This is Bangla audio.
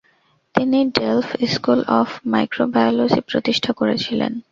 তিনি ডেলফ স্কুল অফ মাইক্রোবায়োলজি প্রতিষ্ঠা করেছিলেন।